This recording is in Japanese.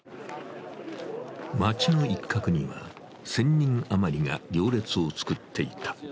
街の一角には、１０００人余りが行列を作っていた。